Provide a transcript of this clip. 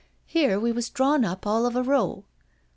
Here we was drawn up all of a row.